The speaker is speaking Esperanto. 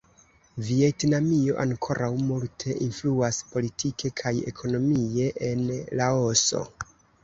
Vjetnamio ankoraŭ multe influas politike kaj ekonomie en Laoso.